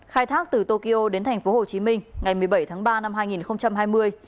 khai thác từ tokyo đến thành phố hồ chí minh ngày một mươi bảy tháng ba năm hai nghìn hai mươi